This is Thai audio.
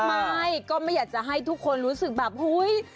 ไม่ก็ไม่อยากจะให้ทุกคนรู้สึกแบบเฮ้ย